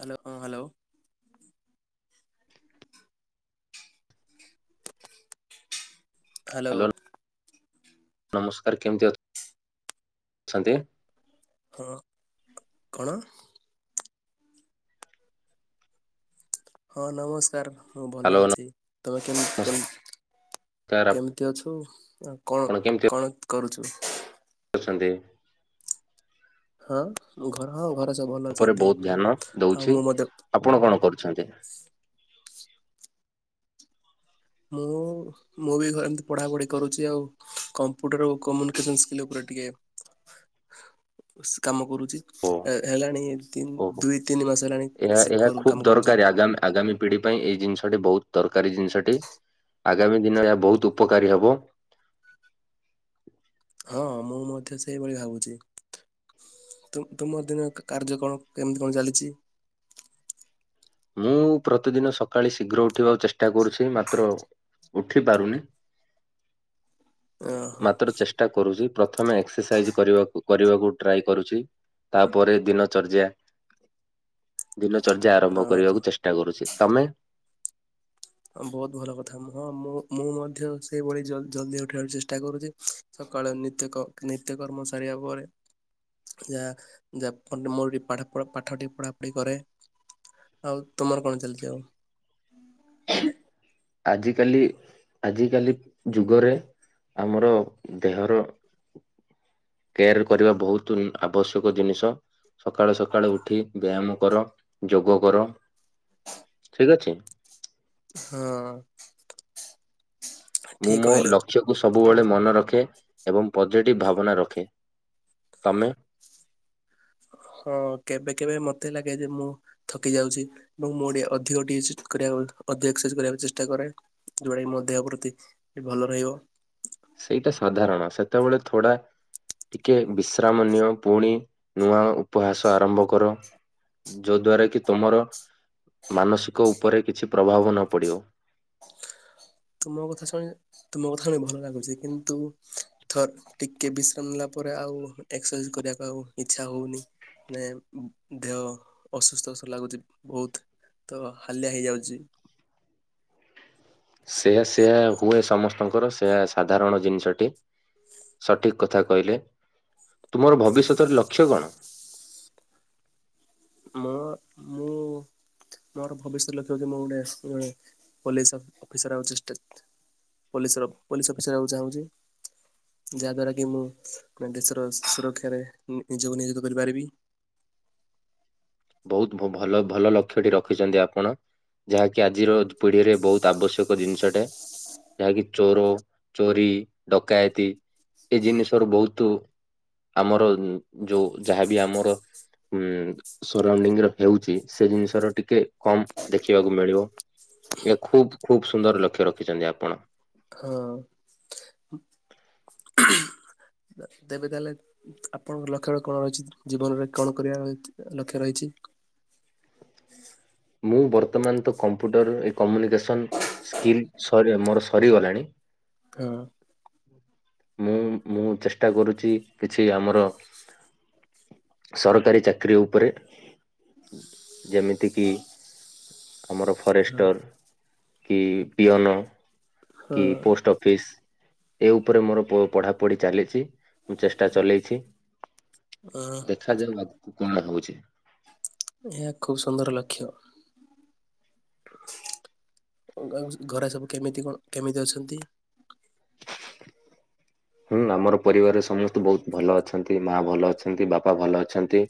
Hello hello hello ନମସ୍କାର କେମିତି ଅ ଅଛନ୍ତି? ହଁ କଣ? ହଁ ନମସ୍କାର ମୁଁ ଭଲ ହ୍ୟାଲୋ ଅଛି ତମେ କେମିତି କେମତି ନମସ୍କାର କେମିତି ଅଛୁ ଆ କଣ ଆପଣ କେମିତି କଣ କରୁଛୁ? ଅଛନ୍ତି। ହଁ ଘର ହଁ ଘରେ ସବୁ ଭଲ ଉପରେ ଅଛନ୍ତି ବହୁତ ଧ୍ୟାନ ଦଉଛି। ଆଉ ମୁଁ ମଧ୍ୟ। ଆପଣ କଣ କରୁଛନ୍ତି? ମୁଁ ମୁଁ ବି ଘରେ ଏମିତି ପଢ଼ାପଢ଼ି କରୁଛି ଆଉ କମ୍ପ୍ୟୁଟର ଓ କମ୍ୟୁନିକେସନ୍ ସ୍କିଲ୍ ଉପରେ ଟିକେ କାମ କରୁଛି। ଓ ହେଲାଣି ଓହୋ। ଦୁଇ ତିନି ମାସ ହେଲାଣି ଏହା ସେ ଏହା ଖୁବ୍ କାମ କରୁଛି। ଦରକାରୀ ଆଗାମୀ ଆଗାମୀ ପିଢି ପାଇଁ ଏଇ ଜିନିଷଟି ବହୁତ ଦରକାରୀ ଜିନିଷଟି। ଆଗାମୀ ଦିନରେ ଏହା ବହୁତ ଉପକାରୀ ହବ। ହଁ ମୁଁ ମଧ୍ୟ ସେଇଭଳି ଭାବୁଛି। ତୁମର ଦିନ କାର୍ଯ୍ୟ କଣ କେମିତି କଣ ଚାଲିଛି? ମୁଁ ପ୍ରତିଦିନ ସକାଳେ ଶୀଘ୍ର ଉଠିବାକୁ ଚେଷ୍ଟା କରୁଛି ମାତ୍ର ଉଠିପାରୁନି। [inaudible] ଓହୋ ମାତ୍ର ଚେଷ୍ଟା କରୁଛି ପ୍ରଥମେ ଏକ୍ସରସାଇଜ କରିବାକୁ କରିବାକୁ ଟ୍ରାଏ କରୁଛି। ତାପରେ ଦିନ ଚର୍ଯ୍ୟା [inaudible] ଦିନ ଚର୍ଯ୍ୟା ଆରମ୍ଭ ଓହୋ କରିବାକୁ ଚେଷ୍ଟା କରୁଛି ତମେ। ବହୁତ ଭଲ କଥା ହଁ ମୁଁ ମୁଁ ମଧ୍ୟ ସେଇଭଳି ଜଲଦି ଉଠେଇକୁ ଚେଷ୍ଟା କରୁଛି [unintelligible] ସକାଳେ ନିତ୍ୟ ନିତ୍ୟ କର୍ମ ସାରିବା ପରେ ଯା ଯା ମୋର ଟି ପାଠଟି ପଢ଼ାପଢ଼ି କରେ। ଆଉ ତମର କଣ ଚାଲିଛି ଆଉ ଆଜିିକାଲି ଆଜିିକାଲି ଯୁଗରେ ଆମର ଦେହର କେୟାର କରିବା ବହୁତ ଆବଶ୍ୟକ ଜିନିଷ। ସକାଳୁ ସକାଳୁ ଉଠି ବ୍ୟାୟାମ କର ଯୋଗ କର ଠିକ ଅଛି। ହଁ ମୁଁ ଠିକ ମୋ କହିଲ ଲକ୍ଷ୍ୟକୁ ସବୁବେଳେ ମନ ରଖେ ଏବଂ ପଜିଟିଭ ଭାବନା ରଖେ। ତମେ? ହଁ କେବେ କେବେ ମତେ ଲାଗେ ଯେ ମୁଁ ଥକି ଯାଉଛି ଏବଂ ମୁଁ ଟିକେ ଅଧିକ ଏସୁଟ ଟିକେକୁ ଅଧିକ ଏସ୍କରସାଇଜ କରିବାକୁ ଚେଷ୍ଟା କରେ। ଯୋଉଟା କି ମୋ ଦେହ ପ୍ରତି ଭଲ ରହିବ। ସେଇଟା ସାଧାରଣ ସେତେବେଳେ ଥୋଡା ଟିକେ ବିଶ୍ରାମ ନିଅ ପୁଣି ନୂଆ ଉପହାସ ଆରମ୍ଭ କର। ଯୋଉ ଦ୍ଵାରା କି ତମର ମାନସିକ ଉପରେ କିଛି ପ୍ରଭାବ ନ ପଡିବ। ତୁମ କଥା ଶୁଣି ତୁମ କଥା ଶୁଣିି ଭଲ ଲାଗୁଛି କିନ୍ତୁ ଥର୍ ଟିକେ ବିଶ୍ରାମ ନେଲା ପରେ ଆଉ ଏକ୍ସରସାଇଜ କରିବାକୁ ଆଉ ଇଚ୍ଛା ହଉନି। ମାନେ ଦେହ ଅସୁସ୍ଥ ଅସୁ ଲାଗୁଚି ବହୁତ। ତ ହାଲିଆ ହେଇଯାଉଚି। ସେଆ ସେଆ ହୁଏ ସମସ୍ତଙ୍କର ସେଆ ସାଧାରଣ ଜିନିଷଟି। ସଠିକ କଥା କହିଲେ। ତୁମର ଭବିଷ୍ୟତର ଲକ୍ଷ୍ୟ କଣ? ମୋ ମୁଁ ମୋର ଭବିଷ୍ୟତ ଲକ୍ଷ୍ୟ ହଉଚି ମୁଁ ଗୋଟେ ଏ ପୋଲିସ ଅଫିସର ହେବାକୁ ଚେଷ୍ଟା ପୋଲିସର ପୋଲିସ ଅଫିସର ହବାକୁ ଚାହୁଁଚି। ଯାହାଦ୍ୱାରା କି ମୁଁ ମାନେ ଦେଶର ସୁରକ୍ଷାରେ ନିଜକୁ ନିୟୋଜିତ କରିପାରିବି। ବହୁତ ଭଲ ଭଲ ଲକ୍ଷ୍ୟଟି ରଖିଚନ୍ତି ଆପଣ। ଯାହାକି ଆଜିର ପିଢିରେ ବହୁତ ଆବଶ୍ୟକ ଜିନିଷଟେ। ଯାହାକି ଚୋର ଚୋରି ଡକାୟତି ଏଇ ଜିନିଷରୁ ବହୁତ ଆମର ଯୋଉ ଯାହାବି ଆମର ଉଁ ସରାଉଡିଙ୍ଗରେ ହେଉଚି ସେ ଜିନିଷର ଟିକେ କମ ଦେଖିବାକୁ ମିଳିବ। ଏ ଖୁବ୍ ଖୁବ୍ ସୁନ୍ଦର ଲକ୍ଷ୍ୟ ରଖିଚନ୍ତି ଆପଣ। ହଁ। ଦେବେ ତାହେଲେ ଆପଣଙ୍କ ଲକ୍ଷ୍ୟ କଣ ରହିଚି? ଜୀବନରେ କଣ କରିବା ଲକ୍ଷ୍ୟ ରହିଚି। ହୁଁ ମୁଁ ବର୍ତ୍ତମାନ ତ କମ୍ପ୍ୟୁଟରରେ ଏ କମ୍ୟୁନିକେସନ୍ ସ୍କିଲ୍ ସରି ମୋର ସରିଗଲାଣି। ହଁ। ମୁଁ ମୁଁ ଚେଷ୍ଟା କରୁଚି କିଛି ଆମର ସରକାରୀ ଚାକିରି ଉପରେ ଯେମିତି କିି ଆମର ହଁ ଫରେଷ୍ଟର କି ପିଅନ କି ପୋଷ୍ଟ ଅଫିସ ଏ ଉପରେ ମୋର ପଢ଼ାପଢି ଚାଲିଚି ମୁଁ ଚେଷ୍ଟା ଚଲେଇଚି। ହଁ ଦେଖାଯାଉ ଆଗକୁ କଣ ହଉଚି? ଏହା ଖୁବ୍ ସୁନ୍ଦର ଲକ୍ଷ୍ୟ। ଘ ଘରେ ସବୁ କେମିତି କଣ କେମିତି ଅଛନ୍ତି? ହୁଁ ଆମର ପରିବାରର ସମସ୍ତେ ବହୁତ ଭଲ ଅଛନ୍ତି। ମା ଭଲ ଅଛନ୍ତି ବାପା ଭଲ ଅଛନ୍ତି।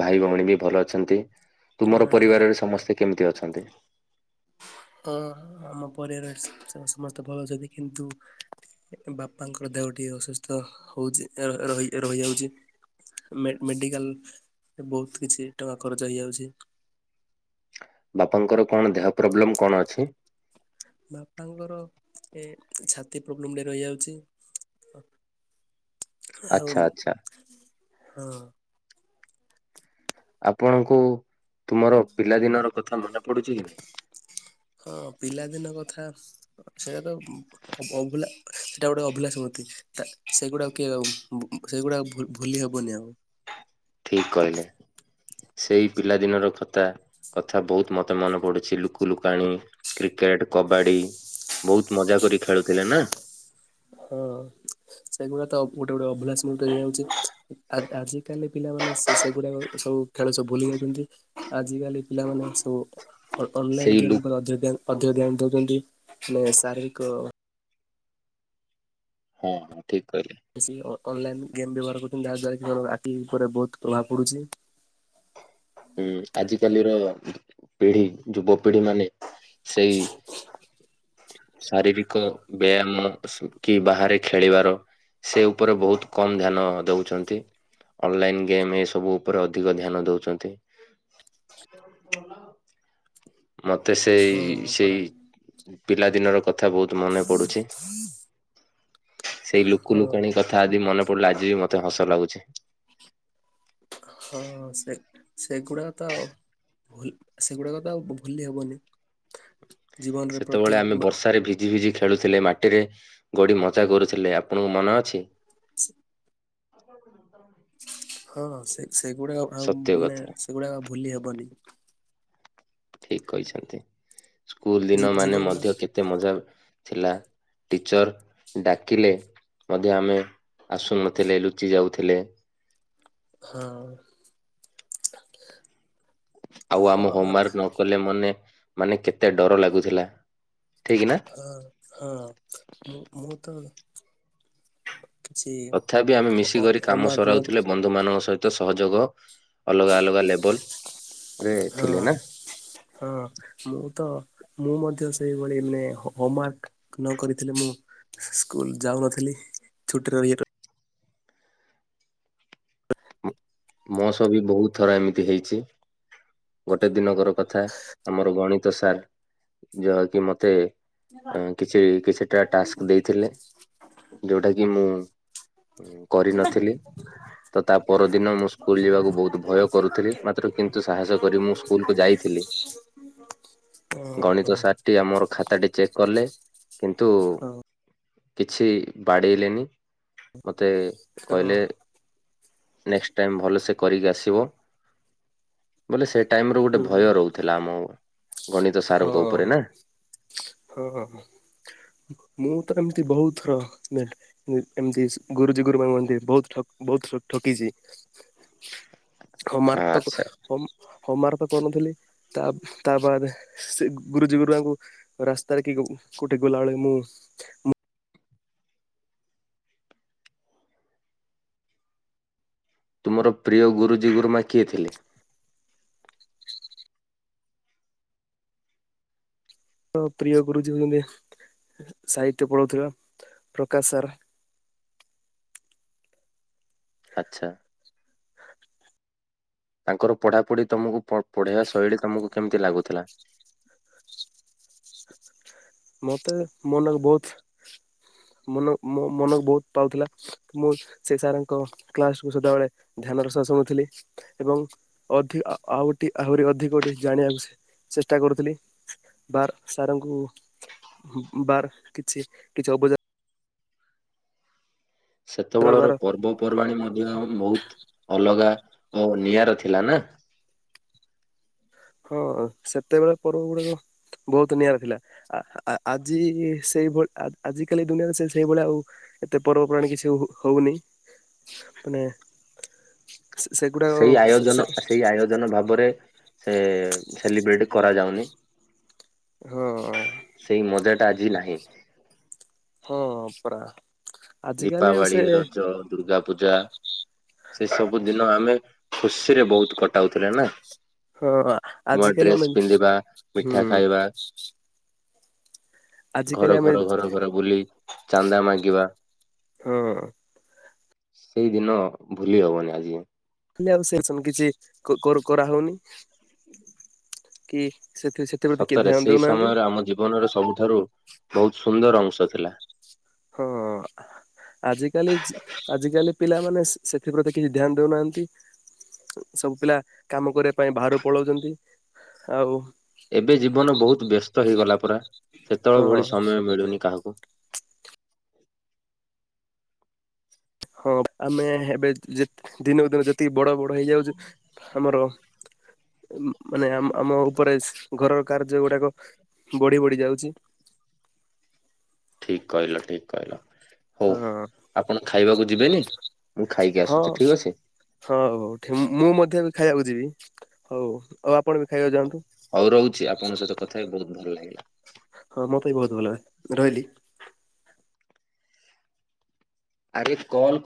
ଭାଇ ଭଉଣୀ ବି ଭଲ ଅଛନ୍ତି। ତୁମର ପରିବାରରେ ସମସ୍ତେ କେମିତି ଅଛନ୍ତି? ହଁ ଆମ ପରିବାର ସମସ୍ତେ ଭଲ ଅଛନ୍ତି କିନ୍ତୁ ବାପାଙ୍କର ଦେହ ଟିକେ ଅସୁସ୍ଥ ହଉଚି। ଏ ଏ ର ରହି ରହିଯାଉଚି। ମେଡିକାଲ ବହୁତ କିଛି ଟଙ୍କା ଖରର୍ଚ ହେଇଯାଉଚି। ବାପାଙ୍କର କଣ ଦେହ ପ୍ରୋବ୍ଲେମ କଣ ଅଛି? ବାପାଙ୍କର ଏ ଛାତି ପ୍ରୋବ୍ଲେମ୍ ଟେ ରହିଯାଉଚି। ଆଉ ଆଚ୍ଛା ଆଚ୍ଛା ହଁ। ଆପଣଙ୍କୁ ତୁମର ପିଲାଦିନ ର କଥା ମନେ ପଡୁଚି? ହଁ ପିଲାଦିନ କଥା ସେଇଟା ତ ଅବୁଲା ସେଇଟା ଗୋଟେ ଅବୁଲା ସ୍ମୃତି। ସେଗୁଡାକ କିଏ ଉ ସେଗୁଡାକ ଭୁ ଭୁଲି ହବନି ଆଉ। ଠିକ କହିଲେ ସେଇ ପିଲାଦିନର କଥା କଥା ବହୁତ ମତେ ମନେ ପଡୁଚି ଲୁକୁ ଲୁକାଣି କ୍ରିକେଟ କବାଡ଼ି ବହୁତ ମଜା କରି ଖେଳୁଥିଲେ ନା। ହଁ। ସେଗୁଡା ତ ଗୋଟେ ଗୋଟେ ଅଭୁଲା ସ୍ମୃତି ହେଇଯାଉଚି। ଆଜିକାଲି ପିଲାମାନେ ସେ ସେଗୁଡାକ ସବୁ ଖେଳ ସବୁ ଭୁଲି ଯାଉଚନ୍ତି ଆଜିକାଲି ପିଲାମାନେ ସବୁ ଅନଲାଇନ୍ ସେଇ ଲୁ ଗେମ୍ ଅଧିକ ଧ୍ୟାନ ଦଉଚନ୍ତି ମାନେ ଶାରୀରିକ ହଁ ହଁ ଠିକ୍ କହିଲେ। ବେଶୀ ଅନଲାଇନ୍ ଗେମ୍ ବ୍ୟବହାର କରୁଚନ୍ତି ଯାହାଦ୍ୱାରାକି ତାଙ୍କର ଆଖି ଉପରେ ବହୁତ୍ ପ୍ରଭାବ ପଡ଼ୁଚି। ଉଁ ଆଜିକାଲିର ପିଢି ଯୁବ ପିଢି ମାନେ ସେଇ ଶାରୀରିକ ବ୍ୟାୟାମ ସୁକି ବାହାରେ ଖେଳିବାର ସେ ଉପରେ ବହୁତ୍ କମ୍ ଧ୍ୟାନ ଦଉଚନ୍ତି। ଅନଲାଇନ୍ ଗେମ୍ ଏସବୁ ଉପରେ ଅଧିକ ଧ୍ୟାନ ଦଉଛନ୍ତି। ମତେ ସେଇ ହଁ ସେଇ ପରା ପିଲା ଦିନର କଥା ବହୁତ୍ ମନେ ପଡୁଛି ସେଇ ଲୁକୁ ହଁ ଲୁକାଣି କ କଥା ଆଜି ମନେ ପଡ଼ିଲେ ଆଜିବି ମତେ ହସ ଲାଗୁଛି। ହଁ ସେ ସେଗୁଡ଼ାତ ଭଲ ସେଗୁଡ଼ାକତ ଆଉ ଭୁଲି ହବନି। ଜୀବନରେ ସେତେବେଳେ ପ୍ରତ୍ୟେକ ଆମେ ବ ବର୍ଷାରେ ଭି ଭିଝି ଭିଝି ଖେଳୁଥିଲେ ମାଟିରେ ଗଡ଼ି ମଜା କରୁଥିଲେ ଆପଣଙ୍କୁ ମନେ ଅଛି? [inaudible] [unintelligible] ହଁ ସେ ସେଗୁଡ଼ାକ ଆଉ ସତ୍ୟ ମାନେ କଥା ସେଗୁଡ଼ାକ ଆଉ ଭୁଲି ହବନି। ଠିକ୍ କହିଛନ୍ତି ସ୍କୁଲ୍ ଜୀ ଦିନ ମାନେ ଜୀବନର ମଧ୍ୟ କେତେ ମଜା ଥିଲା। ଟିଚର୍ ଡାକିଲେ ମଧ୍ୟ ଆମେ ଆସୁନଥିଲେ ଲୁଚି ଯାଉଥିଲେ ହଁ। ଆଉ ଆମ ହଁ ହୋମୱାର୍କ ନକଲେ ମନେ ମାନେ କେତେ ଡର ଲାଗୁଥିଲା। ଠିକ ନା ହଁ ହଁ ମୁଁ ମୁଁ ତ କିଛି ତଥାପି ଆମେ ହ ମିଶିକରି କାମ ହୋମୱାର୍କ ନ ସରାଉଥିଲେ ବ ବନ୍ଧୁ ମାନଙ୍କ ସହିତ ସହଯୋଗ ଅଲଗା ଅଲଗା ଲେବଲ୍ ହଁ ହଁ। ମୁଁ ତ ମୁଁ ମଧ୍ୟ ସେଇଭଳି ମାନେ ହୋମୱାର୍କ ନକରିଥିଲି ମୁଁ ସ୍କୁଲ୍ ଯାଉନଥିଲି ଛୁଟିରେ ର ମସହବି ବହୁତ୍ ଥର ଏମିତି ହେଇଚି। ଗୋଟେ ଦିନକର କଥା ଆମର ଗଣିତ ସାର୍ ଯହାକି ମତେ ଅଁ କିଛି କିଛିଟା ଟାସ୍କ ଦେଇଥିଲେ ଯୋଉଟାକି ମୁଁ କରିନଥିଲି ତ ତାପରଦିନ ମୁଁ ସ୍କୁ ସ୍କୁଲ୍ ଯିବାକୁ ବହୁତ୍ ଭୟ କରୁଥିଲି ମାତ୍ର କିନ୍ତୁ ସାହସ କରି ମୁଁ ସ୍କୁଲକୁୁ ଯାଇଥିଲି। [unintelligible] ଓହୋ ଗଣିତ ସାରଟି ଆମର ଖାତାଟି ଚେକ୍ କଲେ କିନ୍ତୁ ହଁ କିଛି ବାଡ଼େଇଲେନି ମତେ ତ କହିଲେ ନେକ୍ସଟ୍ ଟାଇମ୍ ଭଲସେ କରିକି ଆସିବ ବୋଲେ ସେ ଟାଇମରେ ଗୋଟେ ହୁଁ ଭୟ ରହୁଥିଲା ଆମ ଗଣିତ ସାରଙ୍କ ଉପରେ ନା। ହଁ ହଁ ହଁ। ମୁଁତ ଏମିତି ବହୁତ୍ ଥର ନେଲ୍ ମୁଁ ଏମିତି ଗୁରୁଜୀ ଗୁରୁମା କୁହନ୍ତି ବହୁତ୍ ଠ-ବହୁତ୍ ଠକିଛି। ହୋମୱାର୍କ ଆଚ୍ଛା ତ ହମ୍ ହୋମୱର୍କ ତ କରୁନଥିଲି ତା ତାବାଦେ ସେ ଗୁରୁଜୀ ଗୁରୁମାଙ୍କୁ ରାସ୍ତାରେ କି କୋଉଠି ଗଲାବେଳେ ମୁଁ ମ ତୁମର ପ୍ରିୟ ଗୁରୁଜୀ ଗୁରୁମା କିଏ ଥିଲେ? ର ପ୍ରିୟ ଗୁରୁଜୀ ହଉଛନ୍ତି ସାହିତ୍ୟ ପଢ଼ଉଥିଲା ପ୍ରକାଶ ସାର୍। ଆଚ୍ଛା। ତାଙ୍କର ପଢ଼ାପଢ଼ି ତମକୁ ପ ପଢ଼େଇବା ଶୈଳୀ ତମକୁ କେମିତି ଲାଗୁଥିଲା? ମତେ ମନାକୁ ବହୁତ ମନ ମୋ ମନ କୁ ବହୁତ ପାଉଥିଲା ମୁଁ ସେ ସାରଙ୍କ କ୍ଲାସକୁୁ ସଦାବେଳେ ଧ୍ୟାନର ସହ ଶୁଣୁଥିଲି ଏବଂ ଅଧି ଆ ଆଉଟି ଆହୁରି ଅଧିକ ଗୋଟି ଜାଣିବାକୁ ଚେଷ୍ଟା କରୁଥିଲି ବାର ସାରଙ୍କୁ ବାର କିଛି କିଛି ଅବୁଝା ସେତବଳର ବାର ପର୍ବପର୍ବାଣି ମଧ୍ୟ ବହୁତ ଅଲଗା ଓ ନିଆର ଥିଲା ନା। ହଁ ସେତେବେଳ ପର୍ବପର୍ବାଣୀ ବହୁତ ନିଆରା ଥିଲା। ଆ-ଆ-ଆଜିବି ସେଇଭଳି ଆ-ଆଜିିକାଲି ଏ ଦୁନିଆରେ ସେ ସେଇଭଳିଆ ଆଉ ଏତେ ପର୍ବପର୍ବାଣୀ କିଛି ହ-ହଉନି ମାନେ ସେ-ସେଗୁଡ଼ାକ ସେ-ସେ ଜନ ଭାବରେ ସେ ସେଲିବ୍ରେଟ କରାଯାଉନି। ହଁ। ସେଇ ମଜାଟା ଆଜି ନାହିଁ। ହଁ ପରା ଆଜିକାଲି ଆଉ ଦୀପାବଳି, ସେ ରଜ, ଦୁର୍ଗା ପୂଜା। ସେ ସବୁ ଦିନ ଆମେ ଖୁସିରେ ବହୁତ କଟାଉଥିଲେ ନା। ହଁ ନୂଆ ଆଜିକାଲି ଡ୍ରେସ୍ ଆମେ ପିନ୍ଧିବା ହୁଁ ମିଠା ଖାଇବା। ଆଜିକାଲି ଆମେ ଘର-ଘର-ଘର-ଘର ବୁଲି ଚାନ୍ଦା ମାଗିବା। ହୁଁ। ସେଇ ଦିନ ଭୁଲି ହବନି ଆଜିଯାଏ। କହିଲି ଆଉ ସେ ସନ୍ କିଛି କ-କର୍-କରାହଉନି କି ସେଥି ସେ ସତରେ ସେଇ ସମୟରେ ଆମ ଜୀବନର ସବୁଠାରୁ ବହୁତ ସୁନ୍ଦର ଅଂଶ ଥିଲା। ହଁ। ଆଜିକାଲି ଜ୍-ଆଜିକାଲି ପିଲାମାନେ ସେ-ସେଥିପ୍ରତି କିଛି ଧ୍ୟାନ ଦଉନାହାନ୍ତି। ସବୁ ପିଲା କାମ କରିବା ପାଇଁ ବାହାରୁକୁ ପଳଉଛନ୍ତି ଆଉ ଏବେ ଜୀବନ ବହୁତ ବ୍ୟସ୍ତ ହେଇଗଲା ପରା ହଁ ସେତେବେଳେ ଭଳି ସମୟ ମିଳୁନି କାହାକୁ। ହଁ ଆମେ ଏବେ ଜେତ୍-ଦିନକୁ ଦିନ ଯେ ତିକି ବଡ ବଡ ହେଇଯାଉଛୁ ଆମର ମାନେ ଆମ-ଆମ ଉପରେ ଘରର କାର୍ଯ୍ୟ ଗୁଡାକ ବଢି ବଢି ଯାଉଛି। ଠିକ କହିଲ ଠିକ କହିଲ। ହଉ ହଁ ଆପଣ ଖାଇବାକୁ ଯିବେନି ମୁଁ ଖାଇକି ହଁ ଆସୁଛି ଠିକ ଅଛି। ହଁ ହଉହଉ ଠି-ମୁଁ ମଧ୍ୟ ବି ଖାଇବାକୁ ଯିବି ହଉ ଆଉ ଆପଣ ବି ଖାଇବାକୁ ଯାଆନ୍ତୁ। ହଉ ରହୁଛି ଆପଣ ସହିତ କଥା ହେଇ ବହୁତ ଭଲ ଲାଗିଲା। ହଁ ମୋ ପାଇଁ ବହୁତ ଭଲ ରହିଲି। ଆରେ କଲ୍